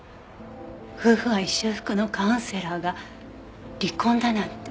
夫婦愛修復のカウンセラーが離婚だなんて。